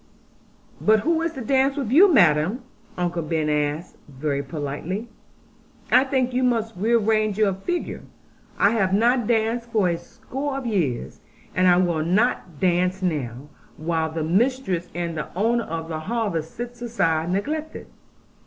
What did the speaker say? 'But who is to dance with you, madam?' Uncle Ben asked, very politely. 'I think you must rearrange your figure. I have not danced for a score of years; and I will not dance now, while the mistress and the owner of the harvest sits aside neglected.'